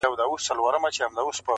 یوه ورځ ورسره کېږي حسابونه٫